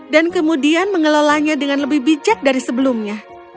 dan kemudian mengelolanya dengan lebih bijak dari sebelumnya